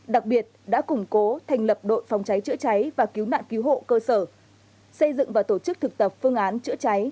đặc biệt đã củng cố thành lập đội phòng cháy chữa cháy và cứu nạn cứu hộ cơ sở xây dựng và tổ chức thực tập phương án chữa cháy